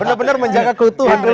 bener bener menjaga kutu